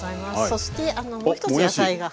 そしてあのもう一つ野菜が。